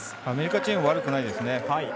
アメリカチーム悪くないですね。